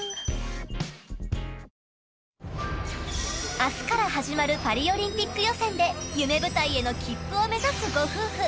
明日から始まるパリオリンピック予選で夢舞台への切符を目指すご夫婦。